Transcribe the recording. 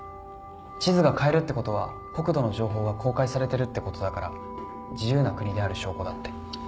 地図が買えるってことは国土の情報が公開されてるってことだから自由な国である証拠だって。